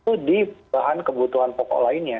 itu di bahan kebutuhan pokok lainnya